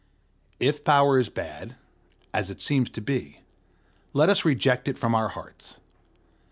If Power is bad, as it seems to be, let us reject it from our hearts.